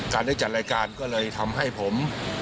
ได้จัดรายการก็เลยทำให้ผม